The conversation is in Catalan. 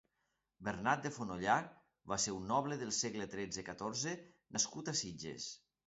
Bernat de Fonollar va ser un noble del segle tretze-catorze nascut a Sitges.